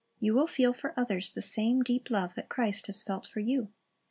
You will feel for others the same deep love that Christ has felt for you.